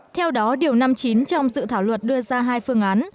theo đó điều năm mươi chín trong dự thảo luật đưa ra hai phương án